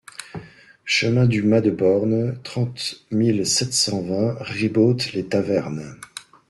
Chemin du Mas de Borne, trente mille sept cent vingt Ribaute-les-Tavernes